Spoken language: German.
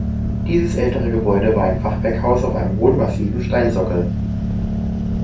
Dieses ältere Gebäude war ein Fachwerkhaus auf einem hohen, massiven Steinsockel.